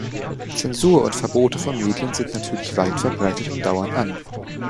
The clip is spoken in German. Zensur und Verbote von Medien sind natürlich weit verbreitet und dauern an.